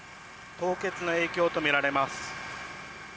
凍結の影響とみられます。